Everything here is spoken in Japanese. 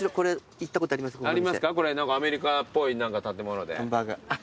アメリカっぽい建物で。